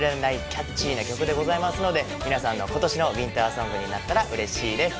キャッチーな曲でございますので皆さんの今年のウィンターソングになったら嬉しいです。